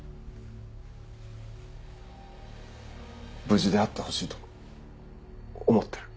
無事であってほしいと思ってる。